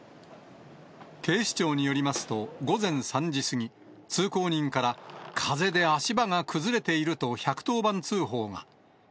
警視庁によりますと、午前３時過ぎ、通行人から、風で足場が崩れていると１１０番通報が。